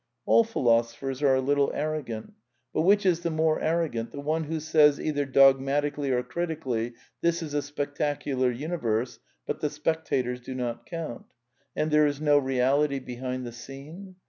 All philosophers are a little arrogant. But which is . the more arrogant, the one who says, either dogmatically I or critically : This is a spectacular universe ; but the spec \ tators do not count; and there is no reality behind the \ scene